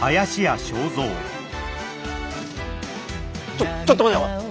ちょちょっと待てお前。